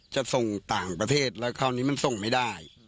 จะส่งต่างประเทศแล้วคราวนี้มันส่งไม่ได้